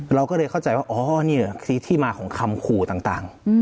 เราก็เลยเข้าใจว่าอ๋อนี่แหละคือที่มาของคำขู่ต่าง